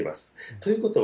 ということは、